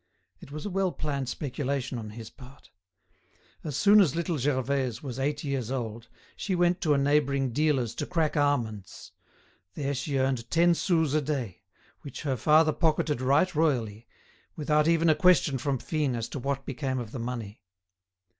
It was a well planned speculation on his part. As soon as little Gervaise was eight years old, she went to a neighbouring dealer's to crack almonds; she there earned ten sous a day, which her father pocketed right royally, without even a question from Fine as to what became of the money.